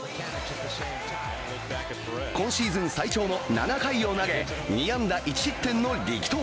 今シーズン最長の７回を投げ、２安打１失点の力投。